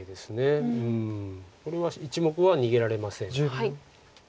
これは１目は逃げられません。